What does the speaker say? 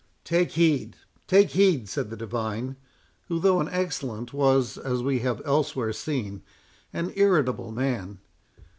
"Take heed—take heed," said the divine, who, though an excellent, was, as we have elsewhere seen, an irritable man.